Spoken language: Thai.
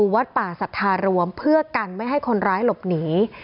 วัดป่าสัทธารวมเพื่อกันไม่ให้คนร้ายหลบหนี